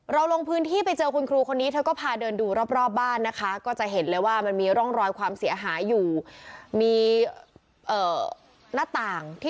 เราลงพื้นที่ไปเจอคุณครูคนนี้เธอก็พาเดินดูรอบบ้านนะคะ